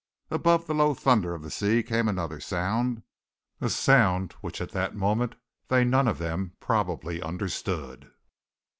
Above the low thunder of the sea came another sound, a sound which at that moment they none of them probably understood.